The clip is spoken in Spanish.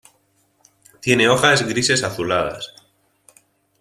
Tiene hojas grises-azuladas.